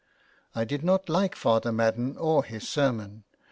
I did not like Father Madden or his sermon.